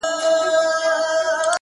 د جنګونو د شیطان قصر به وران سي،